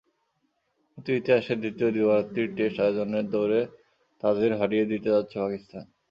কিন্তু ইতিহাসের দ্বিতীয় দিবারাত্রির টেস্ট আয়োজনের দৌড়ে তাদের হারিয়ে দিতে যাচ্ছে পাকিস্তান।